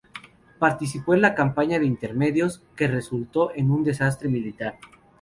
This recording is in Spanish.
Participó en la campaña de Intermedios, que resultó en un desastre militar.